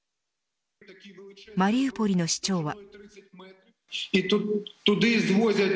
マリウポリの市長は。